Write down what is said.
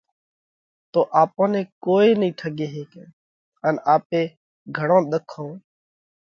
تو آپون نئہ ڪوئي نئين ٺڳي هيڪئہ ان آپي گھڻون ۮکون